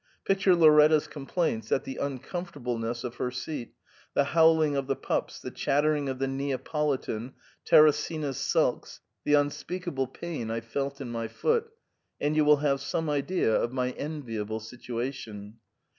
Pict ure Lauretta's complaints at the uncomfortableness of her seat, the howling of the pups, the chattering of the Neapolitan, Teresina's sulks, the unspeakable pain I felt in my foot, and you will have some idea of my enviable situation